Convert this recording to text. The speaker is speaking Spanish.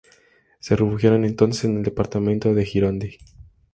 Se refugiaron entonces en el departamento de Gironde.